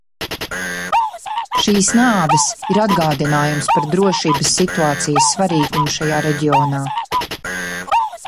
Šīs nāves ir atgādinājums par drošības situācijas svarīgumu šajā reģionā.